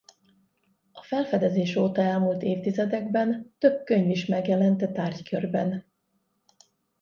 A felfedezés óta elmúlt évtizedekben több könyv is megjelent e tárgykörben.